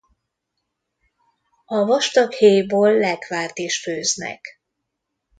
A vastag héjból lekvárt is főznek.